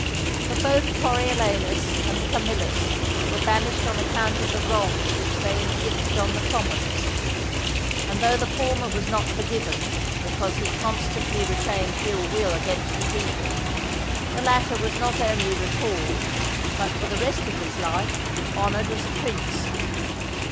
For both Coriolanus and Camillus were banished on account of the wrongs which they inflicted on the commons; and though the former was not forgiven because he constantly retained ill will against the people, the latter was not only recalled, but for the rest of his life honoured as a prince.